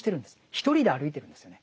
一人で歩いてるんですよね。